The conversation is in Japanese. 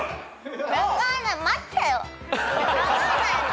分かんないの。